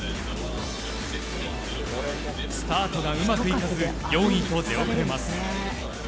スタートがうまくいかず４位と出遅れます。